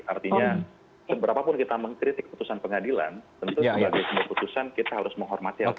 artinya seberapapun kita mengkritik putusan pengadilan tentu sebagai sebuah putusan kita harus menghormati hal tersebut